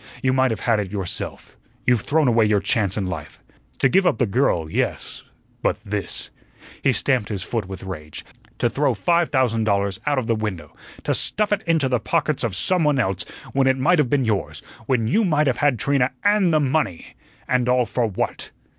You might have had it yourself. You've thrown away your chance in life to give up the girl, yes but this," he stamped his foot with rage "to throw five thousand dollars out of the window to stuff it into the pockets of someone else, when it might have been yours, when you might have had Trina AND the money and all for what?